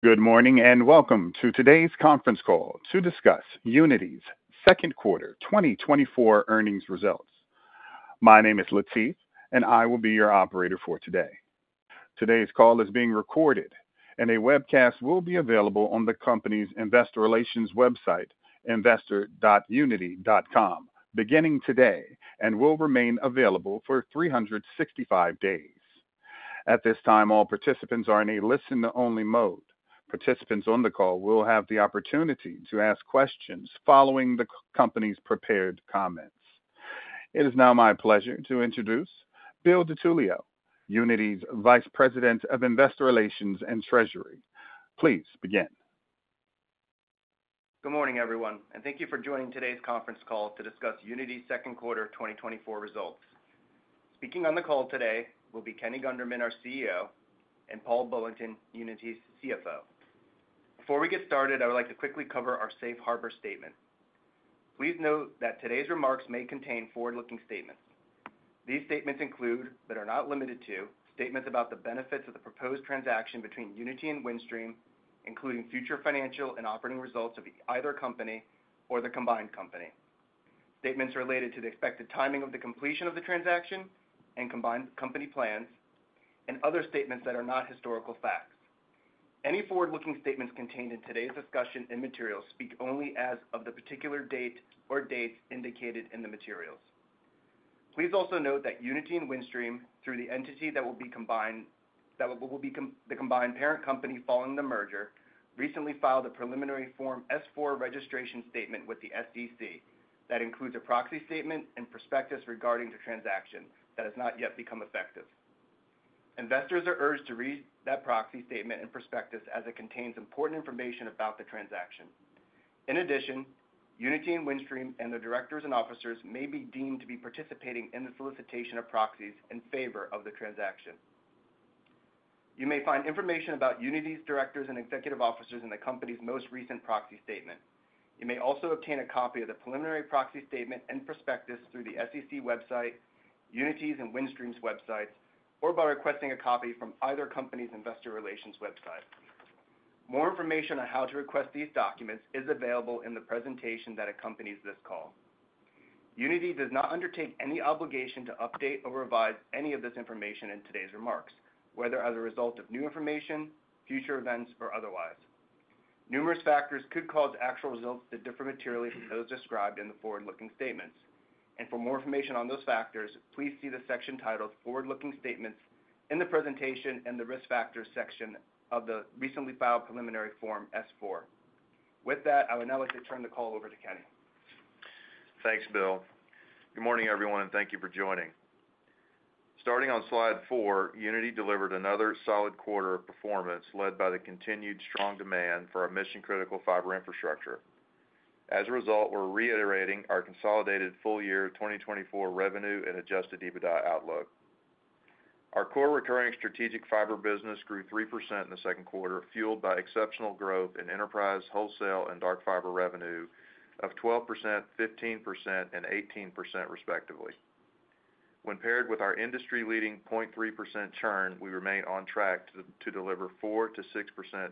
Good morning, and welcome to today's conference call to discuss Uniti's second quarter 2024 earnings results. My name is Latif, and I will be your operator for today. Today's call is being recorded, and a webcast will be available on the company's investor relations website, investor.uniti.com, beginning today and will remain available for 365 days. At this time, all participants are in a listen-to-only mode. Participants on the call will have the opportunity to ask questions following the company's prepared comments. It is now my pleasure to introduce Bill DiTullio, Uniti's Vice President of Investor Relations and Treasury. Please begin. Good morning, everyone, and thank you for joining today's conference call to discuss Uniti's second quarter 2024 results. Speaking on the call today will be Kenny Gunderman, our CEO, and Paul Bullington, Uniti's CFO. Before we get started, I would like to quickly cover our safe harbor statement. Please note that today's remarks may contain forward-looking statements. These statements include, but are not limited to, statements about the benefits of the proposed transaction between Uniti and Windstream, including future financial and operating results of either company or the combined company. Statements related to the expected timing of the completion of the transaction and combined company plans, and other statements that are not historical facts. Any forward-looking statements contained in today's discussion and materials speak only as of the particular date or dates indicated in the materials. Please also note that Uniti and Windstream, through the entity that will be the combined parent company following the merger, recently filed a preliminary Form S-4 registration statement with the SEC. That includes a proxy statement and prospectus regarding the transaction that has not yet become effective. Investors are urged to read that proxy statement and prospectus as it contains important information about the transaction. In addition, Uniti and Windstream, and their directors and officers, may be deemed to be participating in the solicitation of proxies in favor of the transaction. You may find information about Uniti's directors and executive officers in the company's most recent proxy statement. You may also obtain a copy of the preliminary proxy statement and prospectus through the SEC website, Uniti's and Windstream's websites, or by requesting a copy from either company's investor relations website. More information on how to request these documents is available in the presentation that accompanies this call. Uniti does not undertake any obligation to update or revise any of this information in today's remarks, whether as a result of new information, future events, or otherwise. Numerous factors could cause actual results to differ materially from those described in the forward-looking statements. And for more information on those factors, please see the section titled "Forward-Looking Statements" in the presentation and the Risk Factors section of the recently filed preliminary Form S-4. With that, I would now like to turn the call over to Kenny. Thanks, Bill. Good morning, everyone, and thank you for joining. Starting on slide four, Uniti delivered another solid quarter of performance, led by the continued strong demand for our mission-critical fiber infrastructure. As a result, we're reiterating our consolidated full-year 2024 revenue and adjusted EBITDA outlook. Our core recurring strategic fiber business grew 3% in the second quarter, fueled by exceptional growth in enterprise, wholesale, and dark fiber revenue of 12%, 15%, and 18%, respectively. When paired with our industry-leading 0.3% churn, we remain on track to deliver 4%-6%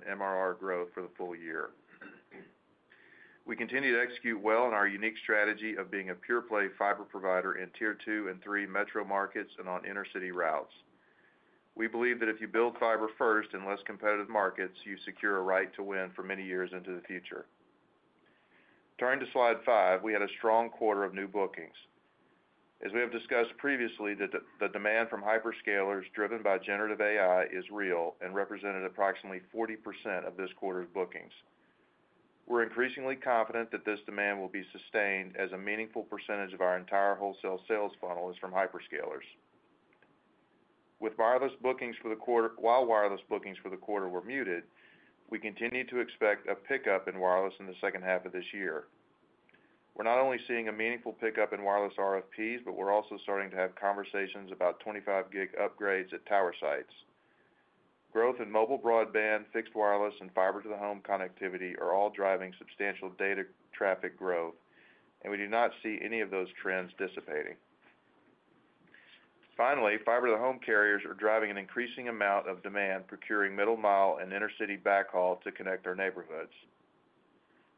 MRR growth for the full year. We continue to execute well on our unique strategy of being a pure-play fiber provider in Tier 2 and Tier 3 metro markets and on inter-city routes. We believe that if you build fiber first in less competitive markets, you secure a right to win for many years into the future. Turning to slide five, we had a strong quarter of new bookings. As we have discussed previously, the demand from hyperscalers, driven by generative AI, is real and represented approximately 40% of this quarter's bookings. We're increasingly confident that this demand will be sustained as a meaningful percentage of our entire wholesale sales funnel is from hyperscalers. With wireless bookings for the quarter, while wireless bookings for the quarter were muted, we continue to expect a pickup in wireless in the second half of this year. We're not only seeing a meaningful pickup in wireless RFPs, but we're also starting to have conversations about 25-gig upgrades at tower sites. Growth in mobile broadband, fixed wireless, and fiber-to-the-home connectivity are all driving substantial data traffic growth, and we do not see any of those trends dissipating. Finally, fiber-to-the-home carriers are driving an increasing amount of demand, procuring middle-mile and inner-city backhaul to connect our neighborhoods.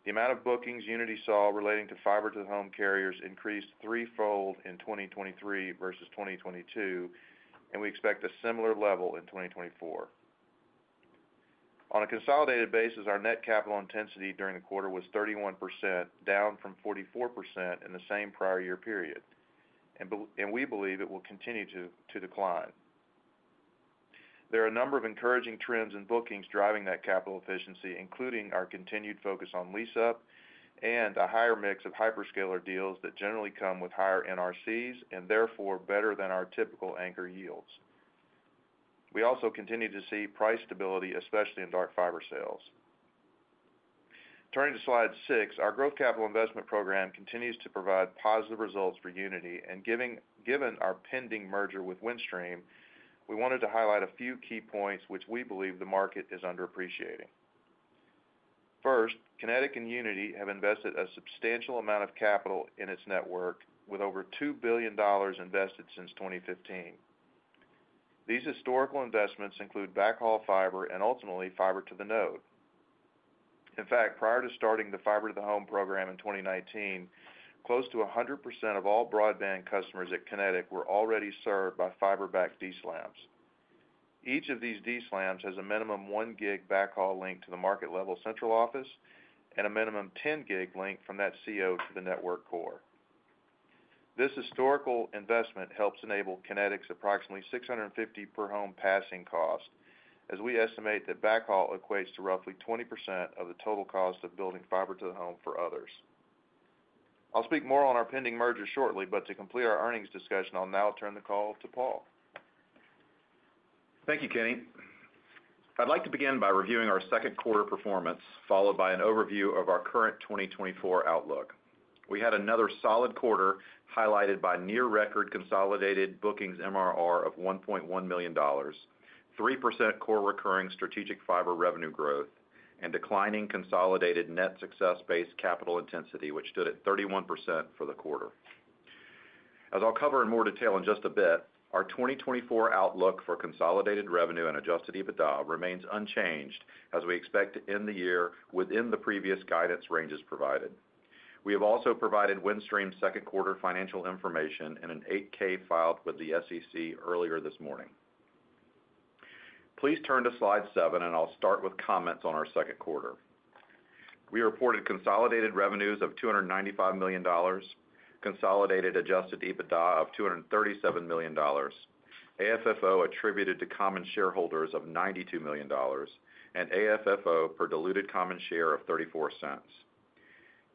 The amount of bookings Uniti saw relating to fiber-to-the-home carriers increased threefold in 2023 versus 2022, and we expect a similar level in 2024. On a consolidated basis, our net capital intensity during the quarter was 31%, down from 44% in the same prior year period, and we believe it will continue to decline. There are a number of encouraging trends in bookings driving that capital efficiency, including our continued focus on lease-up and a higher mix of hyperscaler deals that generally come with higher NRCs and therefore better than our typical anchor yields. We also continue to see price stability, especially in dark fiber sales. Turning to slide six, our growth capital investment program continues to provide positive results for Uniti, and given our pending merger with Windstream, we wanted to highlight a few key points which we believe the market is underappreciating. First, Kinetic and Uniti have invested a substantial amount of capital in its network, with over $2 billion invested since 2015. These historical investments include backhaul fiber and ultimately fiber to the node. In fact, prior to starting the fiber to the home program in 2019, close to 100% of all broadband customers at Kinetic were already served by fiber-backed DSLAMs. Each of these DSLAMs has a minimum 1 gig backhaul link to the market level central office and a minimum 10 gig link from that CO to the network core. This historical investment helps enable Kinetic's approximately 650 per home passing cost, as we estimate that backhaul equates to roughly 20% of the total cost of building fiber to the home for others. I'll speak more on our pending merger shortly, but to complete our earnings discussion, I'll now turn the call to Paul. Thank you, Kenny. I'd like to begin by reviewing our second quarter performance, followed by an overview of our current 2024 outlook. We had another solid quarter, highlighted by near record consolidated bookings MRR of $1.1 million, 3% core recurring strategic fiber revenue growth, and declining consolidated net success-based capital intensity, which stood at 31% for the quarter. As I'll cover in more detail in just a bit, our 2024 outlook for consolidated revenue and adjusted EBITDA remains unchanged, as we expect to end the year within the previous guidance ranges provided. We have also provided Windstream's second quarter financial information in an 8-K filed with the SEC earlier this morning. Please turn to slide seven, and I'll start with comments on our second quarter. We reported consolidated revenues of $295 million, consolidated adjusted EBITDA of $237 million, AFFO attributed to common shareholders of $92 million, and AFFO per diluted common share of $0.34.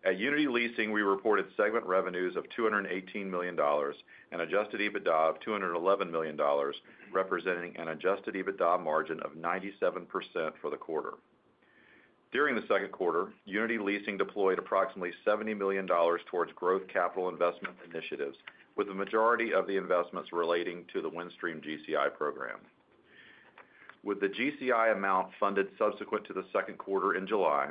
At Uniti Leasing, we reported segment revenues of $218 million and adjusted EBITDA of $211 million, representing an adjusted EBITDA margin of 97% for the quarter. During the second quarter, Uniti Leasing deployed approximately $70 million towards growth capital investment initiatives, with the majority of the investments relating to the Windstream GCI program. With the GCI amount funded subsequent to the second quarter in July,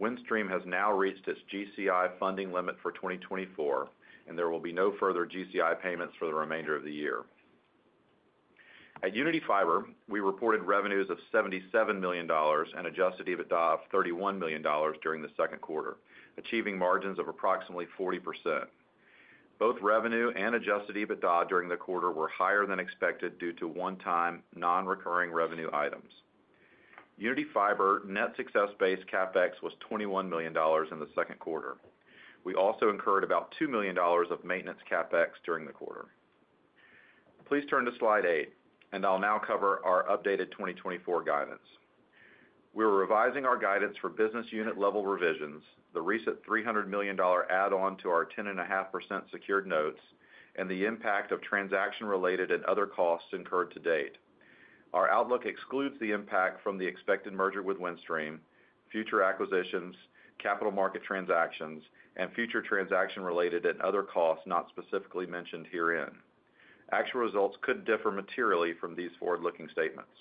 Windstream has now reached its GCI funding limit for 2024, and there will be no further GCI payments for the remainder of the year. At Uniti Fiber, we reported revenues of $77 million and adjusted EBITDA of $31 million during the second quarter, achieving margins of approximately 40%. Both revenue and adjusted EBITDA during the quarter were higher than expected due to one-time, non-recurring revenue items. Uniti Fiber net success-based CapEx was $21 million in the second quarter. We also incurred about $2 million of maintenance CapEx during the quarter. Please turn to slide eight, and I'll now cover our updated 2024 guidance. We are revising our guidance for business unit level revisions, the recent $300 million add-on to our 10.5% secured notes, and the impact of transaction-related and other costs incurred to date. Our outlook excludes the impact from the expected merger with Windstream, future acquisitions, capital market transactions, and future transaction-related and other costs not specifically mentioned herein. Actual results could differ materially from these forward-looking statements.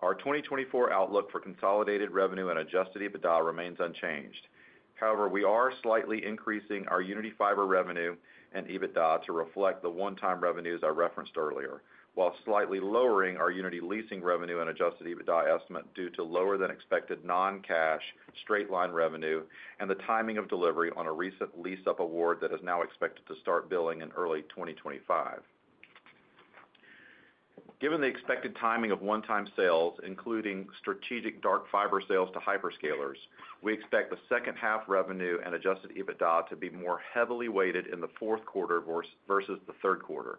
Our 2024 outlook for consolidated revenue and adjusted EBITDA remains unchanged. However, we are slightly increasing our Uniti Fiber revenue and EBITDA to reflect the one-time revenues I referenced earlier, while slightly lowering our Uniti Leasing revenue and adjusted EBITDA estimate due to lower than expected non-cash straight-line revenue and the timing of delivery on a recent lease-up award that is now expected to start billing in early 2025. Given the expected timing of one-time sales, including strategic dark fiber sales to hyperscalers, we expect the second-half revenue and adjusted EBITDA to be more heavily weighted in the fourth quarter versus the third quarter.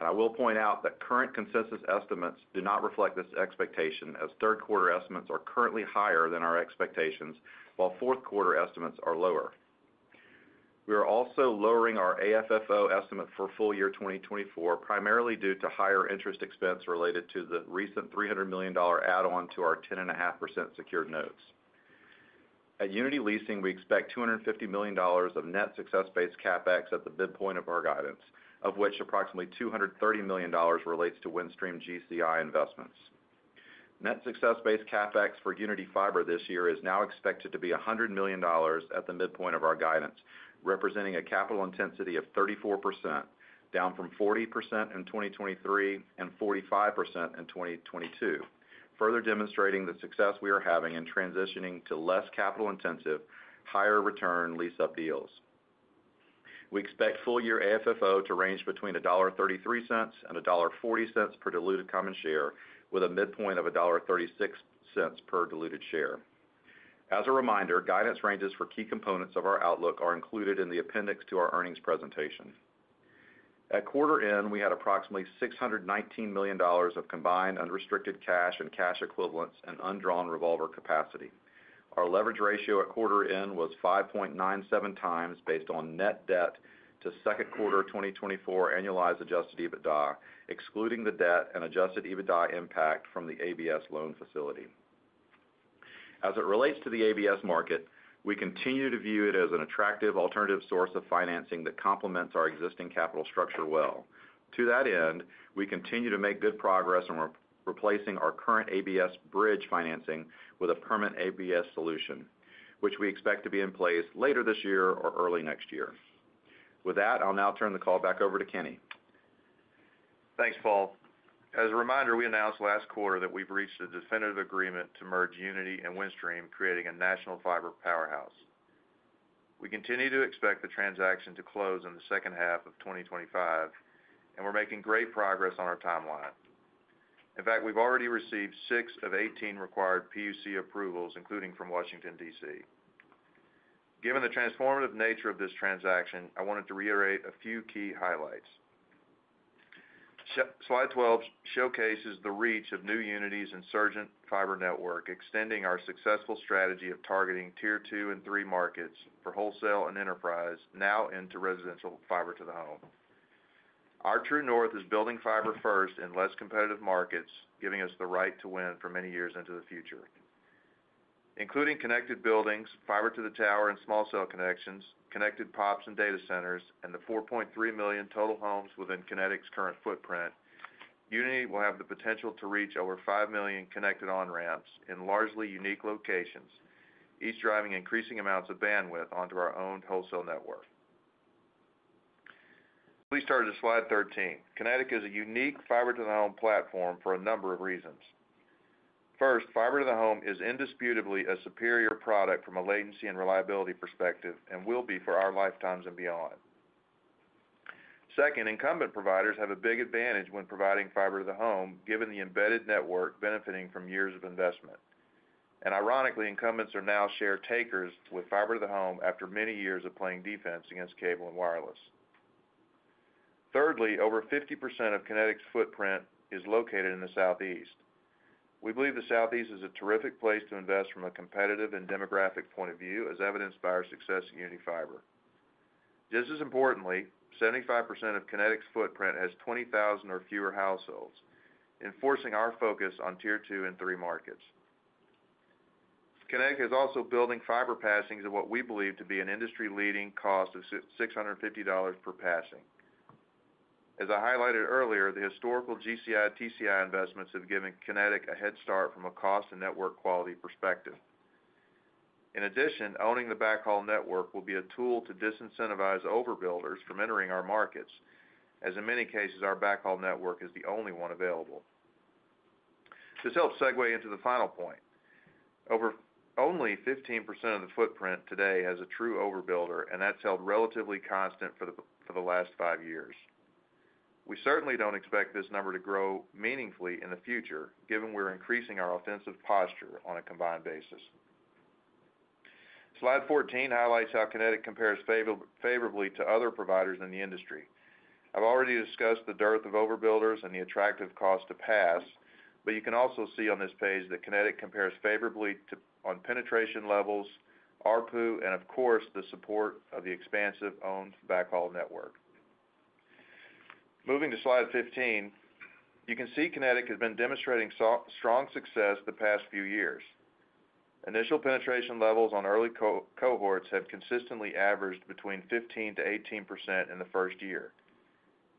I will point out that current consensus estimates do not reflect this expectation, as third-quarter estimates are currently higher than our expectations, while fourth-quarter estimates are lower. We are also lowering our AFFO estimate for full year 2024, primarily due to higher interest expense related to the recent $300 million add-on to our 10.5% secured notes. At Uniti Leasing, we expect $250 million of net success-based CapEx at the midpoint of our guidance, of which approximately $230 million relates to Windstream GCI investments. Net success-based CapEx for Uniti Fiber this year is now expected to be $100 million at the midpoint of our guidance, representing a capital intensity of 34%, down from 40% in 2023 and 45% in 2022, further demonstrating the success we are having in transitioning to less capital-intensive, higher return lease-up deals. We expect full-year AFFO to range between $1.33 and $1.40 per diluted common share, with a midpoint of $1.36 per diluted share. As a reminder, guidance ranges for key components of our outlook are included in the appendix to our earnings presentation. At quarter end, we had approximately $619 million of combined unrestricted cash and cash equivalents and undrawn revolver capacity. Our leverage ratio at quarter end was 5.97 times based on net debt to second quarter 2024 annualized adjusted EBITDA, excluding the debt and adjusted EBITDA impact from the ABS loan facility. As it relates to the ABS market, we continue to view it as an attractive alternative source of financing that complements our existing capital structure well. To that end, we continue to make good progress on replacing our current ABS bridge financing with a permanent ABS solution, which we expect to be in place later this year or early next year. With that, I'll now turn the call back over to Kenny. Thanks, Paul. As a reminder, we announced last quarter that we've reached a definitive agreement to merge Uniti and Windstream, creating a national fiber powerhouse. We continue to expect the transaction to close in the second half of 2025, and we're making great progress on our timeline. In fact, we've already received six of 18 required PUC approvals, including from Washington, D.C. Given the transformative nature of this transaction, I wanted to reiterate a few key highlights. Slide 12 showcases the reach of new Uniti's insurgent fiber network, extending our successful strategy of targeting Tier 2 and Tier 3 markets for wholesale and enterprise now into residential fiber to the home. Our true north is building fiber first in less competitive markets, giving us the right to win for many years into the future. Including connected buildings, fiber to the tower, and small cell connections, connected POPs and data centers, and the 4.3 million total homes within Kinetic's current footprint, Uniti will have the potential to reach over 5 million connected on-ramps in largely unique locations, each driving increasing amounts of bandwidth onto our own wholesale network. Please turn to slide 13. Kinetic is a unique fiber-to-the-home platform for a number of reasons. First, fiber to the home is indisputably a superior product from a latency and reliability perspective, and will be for our lifetimes and beyond. Second, incumbent providers have a big advantage when providing fiber to the home, given the embedded network benefiting from years of investment. And ironically, incumbents are now share takers with fiber to the home after many years of playing defense against cable and wireless. Thirdly, over 50% of Kinetic's footprint is located in the Southeast. We believe the Southeast is a terrific place to invest from a competitive and demographic point of view, as evidenced by our success in Uniti Fiber. Just as importantly, 75% of Kinetic's footprint has 20,000 or fewer households, enforcing our focus on Tier 2 and Tier 3 markets. Kinetic is also building fiber passings at what we believe to be an industry-leading cost of $650 per passing. As I highlighted earlier, the historical GCI, TCI investments have given Kinetic a head start from a cost and network quality perspective. In addition, owning the backhaul network will be a tool to disincentivize overbuilders from entering our markets, as in many cases, our backhaul network is the only one available. This helps segue into the final point. Over only 15% of the footprint today has a true overbuilder, and that's held relatively constant for the last five years. We certainly don't expect this number to grow meaningfully in the future, given we're increasing our offensive posture on a combined basis. Slide 14 highlights how Kinetic compares favorably to other providers in the industry. I've already discussed the dearth of overbuilders and the attractive cost to pass, but you can also see on this page that Kinetic compares favorably on penetration levels, ARPU, and of course, the support of the expansive owned backhaul network. Moving to slide 15, you can see Kinetic has been demonstrating strong success the past few years. Initial penetration levels on early cohorts have consistently averaged between 15%-18% in the first year,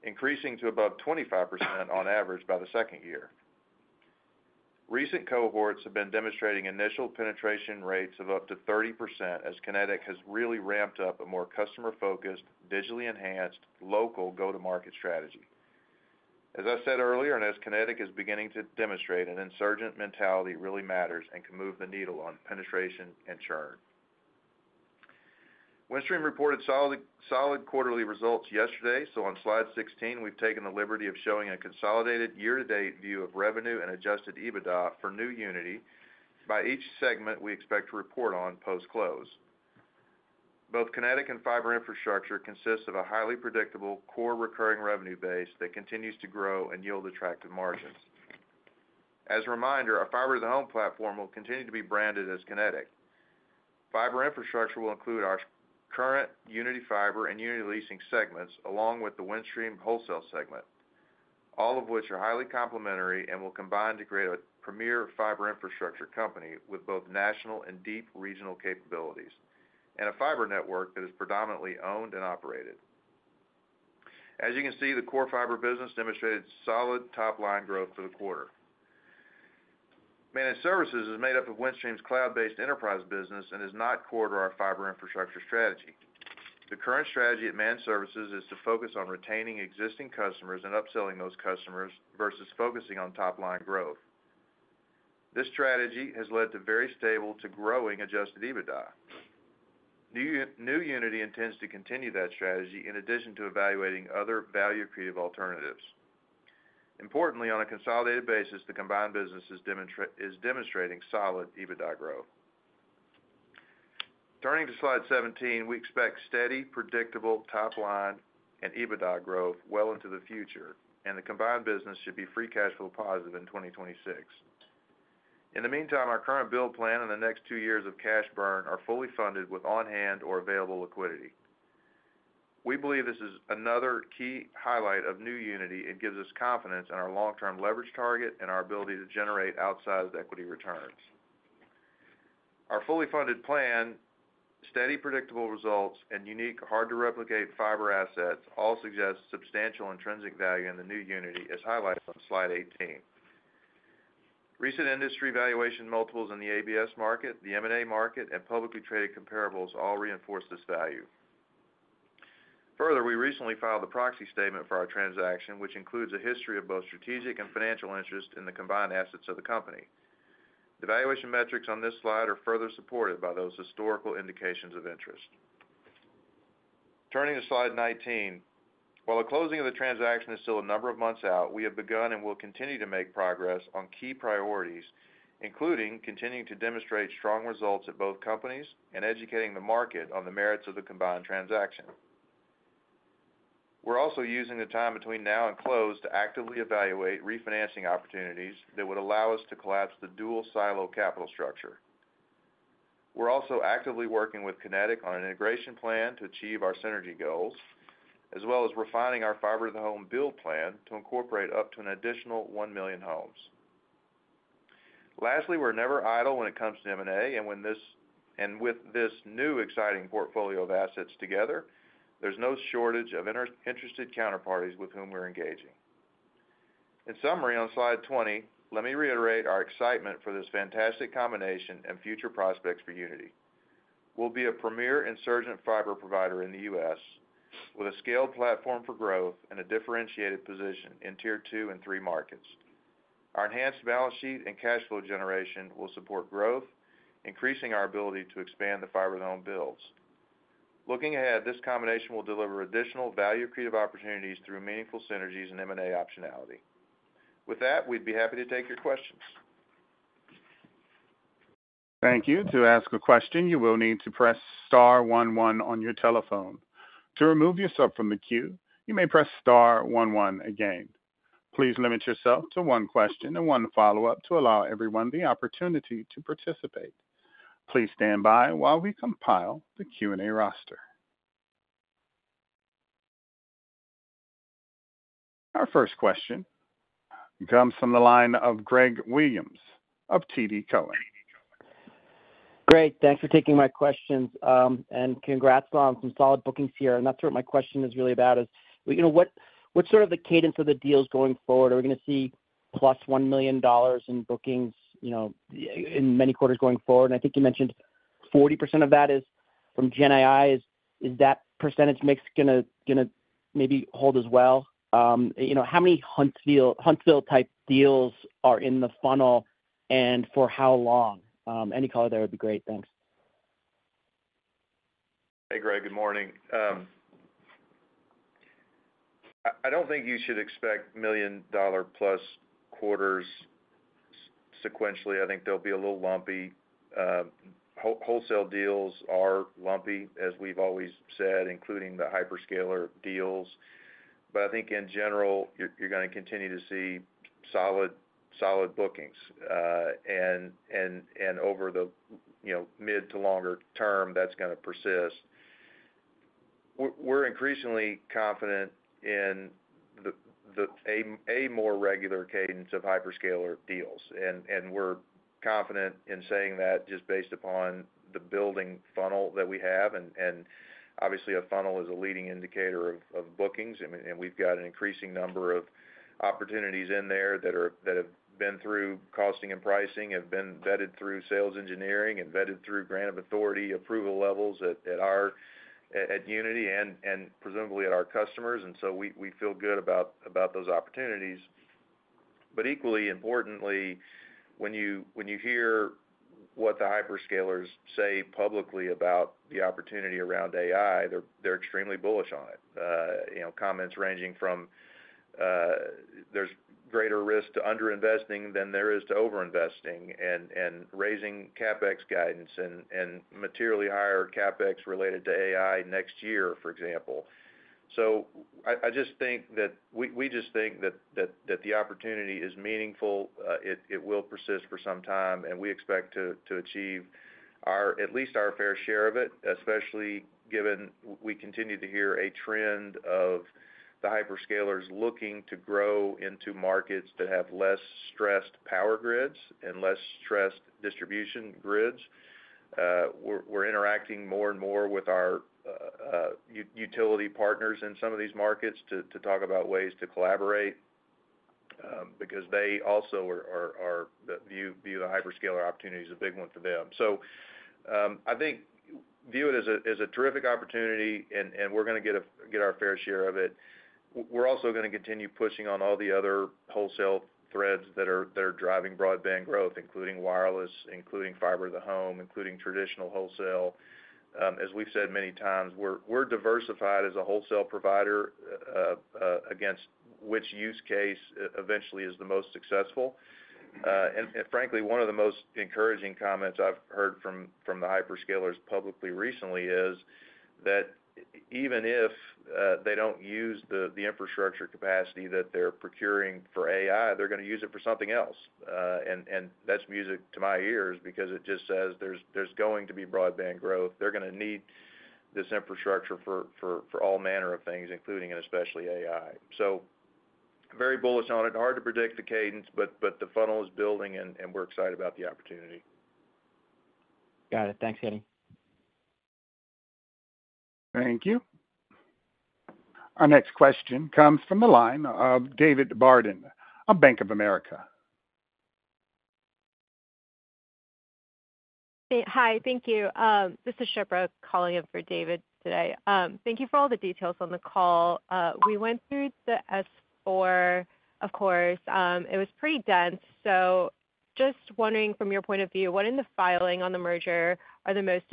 increasing to above 25% on average by the second year. Recent cohorts have been demonstrating initial penetration rates of up to 30%, as Kinetic has really ramped up a more customer-focused, digitally enhanced, local go-to-market strategy. As I said earlier, and as Kinetic is beginning to demonstrate, an insurgent mentality really matters and can move the needle on penetration and churn. Windstream reported solid quarterly results yesterday, so on slide 16, we've taken the liberty of showing a consolidated year-to-date view of revenue and adjusted EBITDA for new Uniti by each segment we expect to report on post-close. Both Kinetic and Fiber Infrastructure consists of a highly predictable, core recurring revenue base that continues to grow and yield attractive margins. As a reminder, our fiber to the home platform will continue to be branded as Kinetic. Fiber Infrastructure will include our current Uniti Fiber and Uniti Leasing segments, along with the Windstream Wholesale segment, all of which are highly complementary and will combine to create a premier fiber infrastructure company with both national and deep regional capabilities, and a fiber network that is predominantly owned and operated. As you can see, the core fiber business demonstrated solid top-line growth for the quarter. Managed Services is made up of Windstream's cloud-based enterprise business and is not core to our Fiber Infrastructure strategy. The current strategy at Managed Services is to focus on retaining existing customers and upselling those customers versus focusing on top-line growth. This strategy has led to very stable to growing Adjusted EBITDA. New Uniti intends to continue that strategy in addition to evaluating other value-accretive alternatives. Importantly, on a consolidated basis, the combined business is demonstrating solid EBITDA growth. Turning to slide 17, we expect steady, predictable, top line and EBITDA growth well into the future, and the combined business should be free cash flow positive in 2026. In the meantime, our current build plan and the next two years of cash burn are fully funded with on-hand or available liquidity. We believe this is another key highlight of new Uniti and gives us confidence in our long-term leverage target and our ability to generate outsized equity returns. Our fully funded plan, steady, predictable results, and unique, hard-to-replicate fiber assets all suggest substantial intrinsic value in the new Uniti, as highlighted on slide 18. Recent industry valuation multiples in the ABS market, the M&A market, and publicly traded comparables all reinforce this value. Further, we recently filed a Proxy Statement for our transaction, which includes a history of both strategic and financial interest in the combined assets of the company. The valuation metrics on this slide are further supported by those historical indications of interest. Turning to slide 19, while the closing of the transaction is still a number of months out, we have begun and will continue to make progress on key priorities, including continuing to demonstrate strong results at both companies and educating the market on the merits of the combined transaction. We're also using the time between now and close to actively evaluate refinancing opportunities that would allow us to collapse the dual silo capital structure. We're also actively working with Kinetic on an integration plan to achieve our synergy goals, as well as refining our fiber-to-the-home build plan to incorporate up to an additional 1 million homes. Lastly, we're never idle when it comes to M&A, and with this new exciting portfolio of assets together, there's no shortage of interested counterparties with whom we're engaging. In summary, on slide 20, let me reiterate our excitement for this fantastic combination and future prospects for Uniti. We'll be a premier insurgent fiber provider in the U.S., with a scaled platform for growth and a differentiated position in Tier 2 and Tier 3 markets. Our enhanced balance sheet and cash flow generation will support growth, increasing our ability to expand the fiber-to-the-home builds. Looking ahead, this combination will deliver additional value accretive opportunities through meaningful synergies and M&A optionality. With that, we'd be happy to take your questions. Thank you. To ask a question, you will need to press star one one on your telephone. To remove yourself from the queue, you may press star one one again. Please limit yourself to one question and one follow-up to allow everyone the opportunity to participate. Please stand by while we compile the Q&A roster. Our first question comes from the line of Greg Williams of TD Cowen. Great, thanks for taking my questions. And congrats on some solid bookings here, and that's what my question is really about, is, you know, what, what's sort of the cadence of the deals going forward? Are we gonna see plus $1 million in bookings, you know, in many quarters going forward? I think you mentioned 40% of that is from GenAI. Is that percentage mix gonna maybe hold as well? You know, how many Huntsville-type deals are in the funnel and for how long? Any color there would be great. Thanks. Hey, Greg, good morning. I don't think you should expect million-dollar-plus quarters sequentially. I think they'll be a little lumpy. Wholesale deals are lumpy, as we've always said, including the hyperscaler deals. But I think in general, you're gonna continue to see solid bookings, and over the, you know, mid to longer term, that's gonna persist. We're increasingly confident in a more regular cadence of hyperscaler deals, and we're confident in saying that just based upon the building funnel that we have, and obviously, a funnel is a leading indicator of bookings, and we've got an increasing number of opportunities in there that have been through costing and pricing, have been vetted through sales engineering and vetted through grant of authority approval levels at our Uniti and presumably at our customers. And so we feel good about those opportunities. But equally importantly, when you hear what the hyperscalers say publicly about the opportunity around AI, they're extremely bullish on it. You know, comments ranging from, there's greater risk to underinvesting than there is to overinvesting and raising CapEx guidance and materially higher CapEx related to AI next year, for example. So I just think that we just think that the opportunity is meaningful, it will persist for some time, and we expect to achieve our at least our fair share of it, especially given we continue to hear a trend of the hyperscalers looking to grow into markets that have less stressed power grids and less stressed distribution grids. We're interacting more and more with our utility partners in some of these markets to talk about ways to collaborate, because they also view the hyperscaler opportunity as a big one for them. So, I think view it as a terrific opportunity, and we're gonna get our fair share of it. We're also gonna continue pushing on all the other wholesale threads that are driving broadband growth, including wireless, including fiber to the home, including traditional wholesale. As we've said many times, we're diversified as a wholesale provider against which use case eventually is the most successful. And frankly, one of the most encouraging comments I've heard from the hyperscalers publicly recently is that even if they don't use the infrastructure capacity that they're procuring for AI, they're gonna use it for something else. And that's music to my ears because it just says there's going to be broadband growth. They're gonna need this infrastructure for all manner of things, including and especially AI. So very bullish on it. Hard to predict the cadence, but the funnel is building and we're excited about the opportunity. Got it. Thanks, Kenny. Thank you. Our next question comes from the line of David Barden of Bank of America. Hey, hi, thank you. This is Shipra calling in for David today. Thank you for all the details on the call. We went through the S-4, of course, it was pretty dense. So just wondering from your point of view, what in the filing on the merger are the most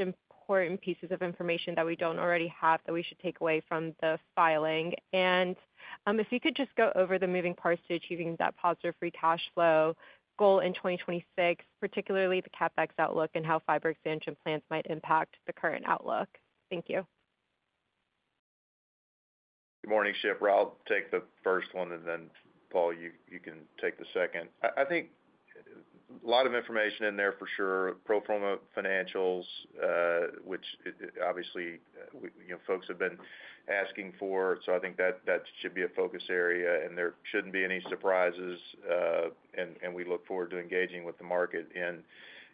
important pieces of information that we don't already have, that we should take away from the filing? And if you could just go over the moving parts to achieving that positive free cash flow goal in 2026, particularly the CapEx outlook and how fiber expansion plans might impact the current outlook. Thank you. Good morning, Shipra. I'll take the first one, and then, Paul, you can take the second. I think a lot of information in there for sure. Pro forma financials, which obviously we, you know, folks have been asking for, so I think that should be a focus area, and there shouldn't be any surprises. And we look forward to engaging with the market and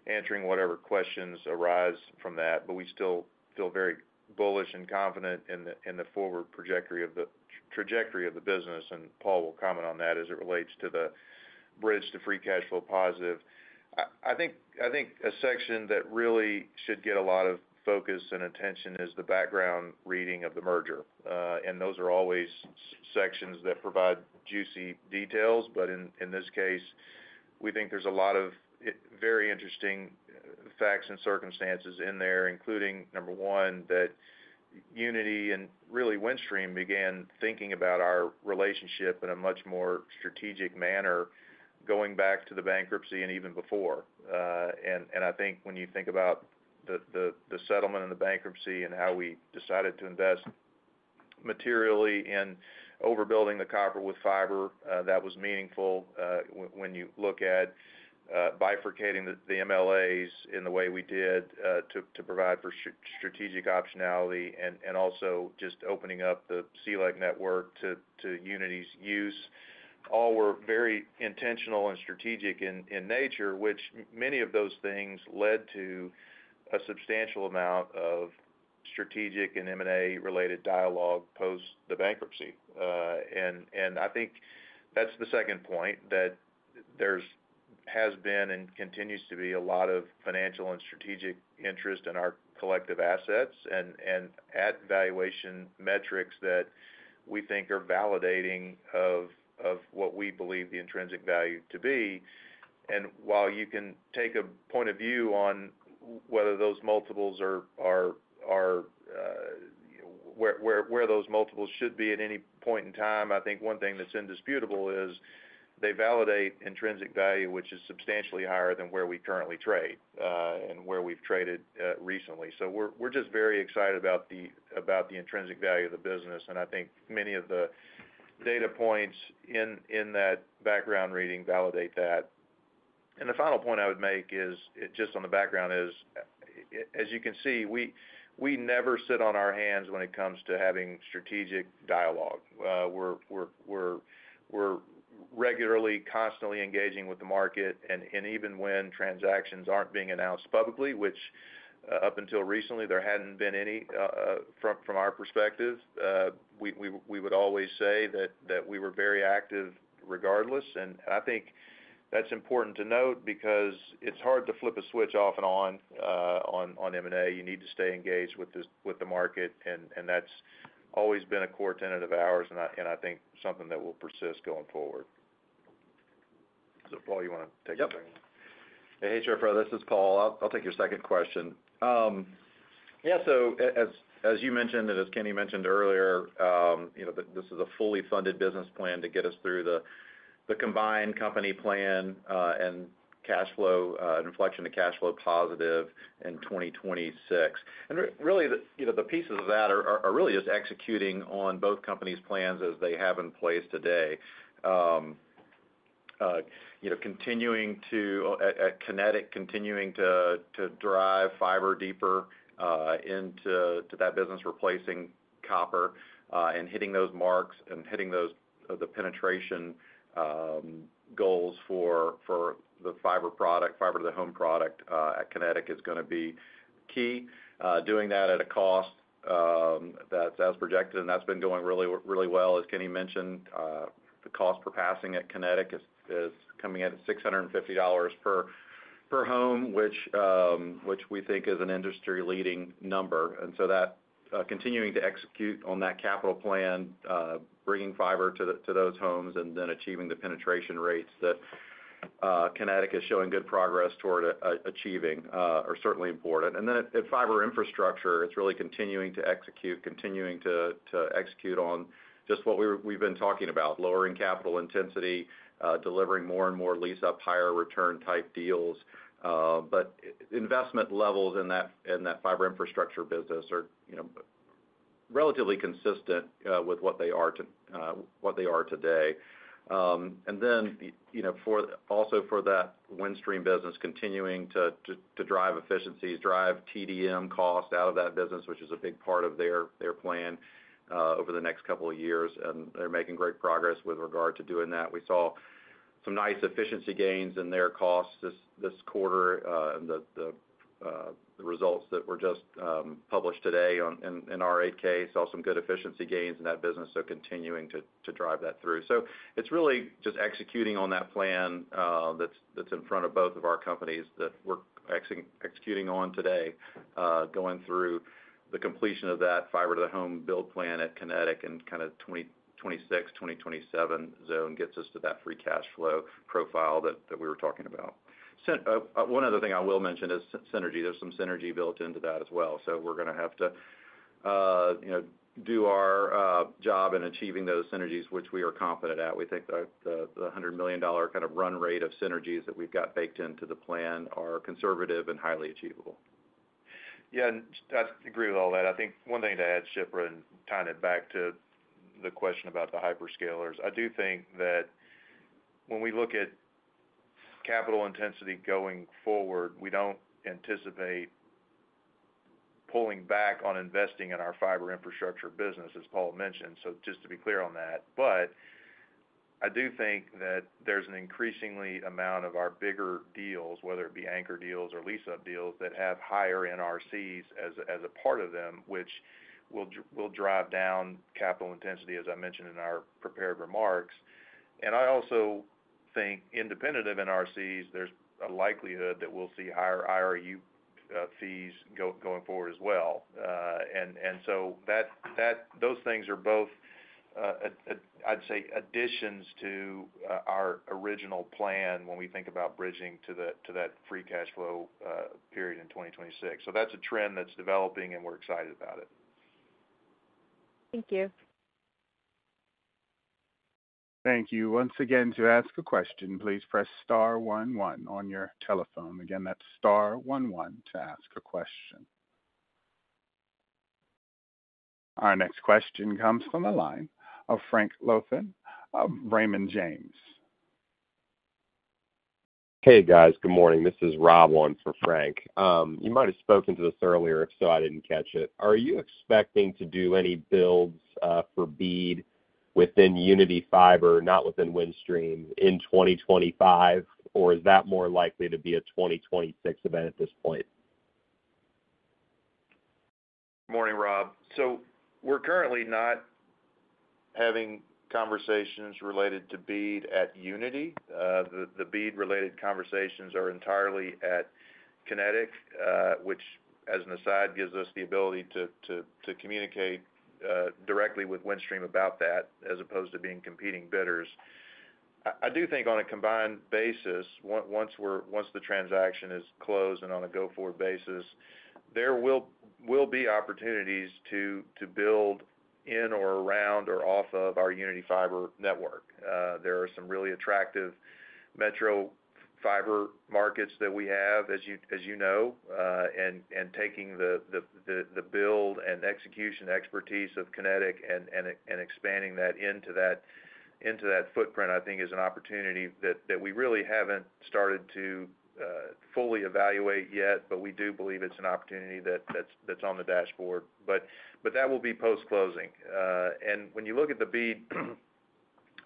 answering whatever questions arise from that. But we still feel very bullish and confident in the forward trajectory of the business, and Paul will comment on that as it relates to the bridge to free cash flow positive. I think a section that really should get a lot of focus and attention is the background reading of the merger. And those are always sections that provide juicy details. But in this case, we think there's a lot of very interesting facts and circumstances in there, including number one, that Uniti and really Windstream began thinking about our relationship in a much more strategic manner, going back to the bankruptcy and even before. And I think when you think about the settlement and the bankruptcy and how we decided to invest materially in overbuilding the copper with fiber, that was meaningful. When you look at bifurcating the MLAs in the way we did, to provide for strategic optionality and also just opening up the CLEC network to Uniti's use, all were very intentional and strategic in nature, which many of those things led to a substantial amount of strategic and M&A-related dialogue post the bankruptcy. And I think that's the second point, that there has been and continues to be a lot of financial and strategic interest in our collective assets and at valuation metrics that we think are validating of what we believe the intrinsic value to be. And while you can take a point of view on whether those multiples are where those multiples should be at any point in time, I think one thing that's indisputable is they validate intrinsic value, which is substantially higher than where we currently trade and where we've traded recently. So we're just very excited about the intrinsic value of the business, and I think many of the data points in that background reading validate that. And the final point I would make is, just on the background, as you can see, we never sit on our hands when it comes to having strategic dialogue. We're regularly, constantly engaging with the market, and even when transactions aren't being announced publicly, which, up until recently, there hadn't been any, from our perspective, we would always say that we were very active regardless. And I think that's important to note because it's hard to flip a switch off and on M&A. You need to stay engaged with the market, and that's always been a core tenet of ours, and I think something that will persist going forward. So Paul, you wanna take it away? Yep. Hey, Shipra, this is Paul. I'll take your second question. Yeah, so as you mentioned, and as Kenny mentioned earlier, you know, this is a fully funded business plan to get us through the combined company plan, and cash flow inflection to cash flow positive in 2026. And really, you know, the pieces of that are really just executing on both companies' plans as they have in place today. You know, at Kinetic, continuing to drive fiber deeper into that business, replacing copper, and hitting those marks and hitting those penetration goals for the fiber product, fiber to the home product, at Kinetic is gonna be key. Doing that at a cost that's as projected, and that's been going really, really well. As Kenny mentioned, the cost per passing at Kinetic is coming in at $650 per home, which we think is an industry-leading number. And so that continuing to execute on that capital plan, bringing fiber to those homes, and then achieving the penetration rates that Kinetic is showing good progress toward achieving are certainly important. And then at Fiber Infrastructure, it's really continuing to execute, continuing to execute on just what we've been talking about, lowering capital intensity, delivering more and more lease-up, higher return type deals. But investment levels in that Fiber Infrastructure business are, you know, relatively consistent with what they are today. And then, you know, also for that Windstream business, continuing to drive efficiencies, drive TDM cost out of that business, which is a big part of their plan over the next couple of years, and they're making great progress with regard to doing that. We saw some nice efficiency gains in their costs this quarter, and the results that were just published today in our 8-K saw some good efficiency gains in that business, so continuing to drive that through. So it's really just executing on that plan, that's in front of both of our companies that we're executing on today, going through the completion of that fiber to the home build plan at Kinetic and kind of 2026, 2027 zone gets us to that free cash flow profile that we were talking about. So, one other thing I will mention is synergy. There's some synergy built into that as well. So we're gonna have to, you know, do our job in achieving those synergies, which we are confident at. We think the $100 million kind of run rate of synergies that we've got baked into the plan are conservative and highly achievable. Yeah, and I agree with all that. I think one thing to add, Shipra, and tying it back to the question about the hyperscalers, I do think that when we look at capital intensity going forward, we don't anticipate pulling back on investing in our Fiber Infrastructure business, as Paul mentioned. So just to be clear on that. But I do think that there's an increasingly amount of our bigger deals, whether it be anchor deals or lease-up deals, that have higher NRCs as a part of them, which will drive down capital intensity, as I mentioned in our prepared remarks. And I also think independent of NRCs, there's a likelihood that we'll see higher IRU fees going forward as well. So those things are both, I'd say, additions to our original plan when we think about bridging to that free cash flow period in 2026. So that's a trend that's developing, and we're excited about it. Thank you. Thank you. Once again, to ask a question, please press star one one on your telephone. Again, that's star one one to ask a question. Our next question comes from the line of Frank Louthan of Raymond James. Hey, guys. Good morning. This is Rob on for Frank. You might have spoken to this earlier, if so, I didn't catch it. Are you expecting to do any builds for BEAD within Uniti Fiber, not within Windstream, in 2025, or is that more likely to be a 2026 event at this point? Morning, Rob. So we're currently not having conversations related to BEAD at Uniti. The BEAD-related conversations are entirely at Kinetic, which, as an aside, gives us the ability to communicate directly with Windstream about that, as opposed to being competing bidders. I do think on a combined basis, once the transaction is closed and on a go-forward basis, there will be opportunities to build in or around or off of our Uniti Fiber network. There are some really attractive metro fiber markets that we have, as you know, and taking the build and execution expertise of Kinetic and expanding that into that footprint, I think is an opportunity that we really haven't started to fully evaluate yet, but we do believe it's an opportunity that's on the dashboard. But that will be post-closing. And when you look at the BEAD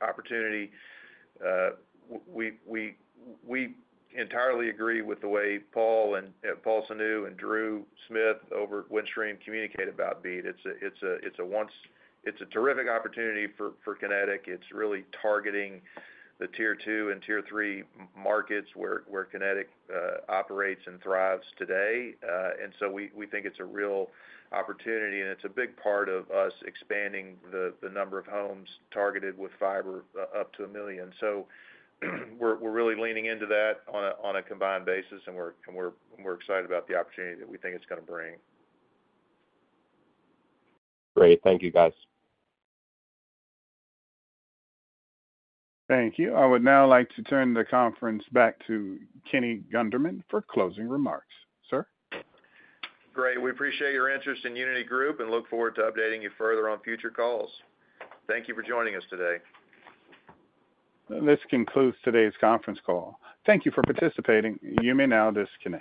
opportunity, we entirely agree with the way Paul Sunu and Drew Smith over at Windstream communicate about BEAD. It's a terrific opportunity for Kinetic. It's really targeting the Tier 2 and Tier 3 Markets where Kinetic operates and thrives today. And so we think it's a real opportunity, and it's a big part of us expanding the number of homes targeted with fiber up to 1 million. So we're really leaning into that on a combined basis, and we're more excited about the opportunity that we think it's gonna bring. Great. Thank you, guys. Thank you. I would now like to turn the conference back to Kenny Gunderman for closing remarks. Sir? Great. We appreciate your interest in Uniti Group and look forward to updating you further on future calls. Thank you for joining us today. This concludes today's conference call. Thank you for participating. You may now disconnect.